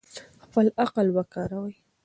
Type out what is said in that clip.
خپل عقل وکاروئ.